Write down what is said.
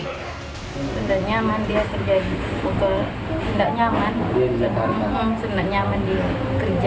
tidak nyaman dia terjadi tidak nyaman tidak nyaman di kerja